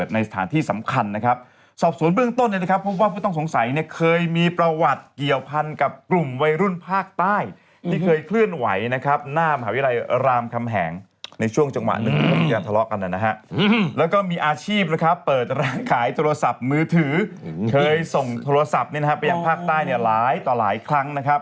ในช่วงจังหวะนึกพวกเราทะเลาะกันและมีอาชีพเปิดร้านขายโทรศัพท์มือถือเคยส่งโทรศัพท์ไปอย่างภาคใต้หลายต่อหลายครั้ง